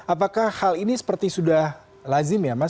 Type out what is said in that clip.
apakah hal ini seperti sudah lazim ya mas